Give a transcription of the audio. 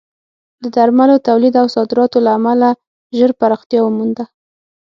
د درملو تولید او صادراتو له امله ژر پراختیا ومونده.